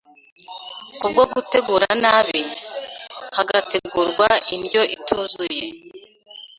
kubwo gutegura nabi, hagategurwa indyo ituzuye”